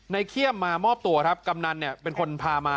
เขี้ยมมามอบตัวครับกำนันเนี่ยเป็นคนพามา